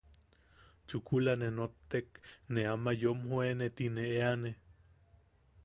Chukula ne nottek, ne ama yumjoene tine eanne...